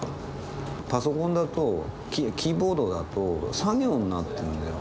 パソコンだとキーボードだと作業になってるんだよ。